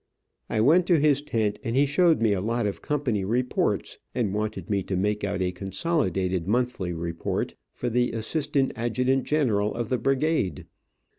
I went to his tent, and he showed me a lot of company reports, and wanted me to make out a consolidated monthly report, for the assistant adjutant general of the brigade.